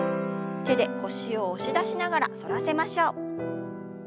手で腰を押し出しながら反らせましょう。